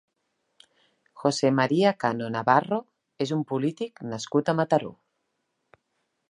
José María Cano Navarro és un polític nascut a Mataró.